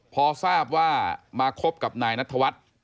พอทราบว่ามาคบกับนายนัทวัฒน์